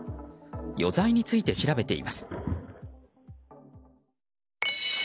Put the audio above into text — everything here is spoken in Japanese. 余罪について調べています。